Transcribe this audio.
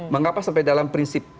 mengapa sampai dalam prinsip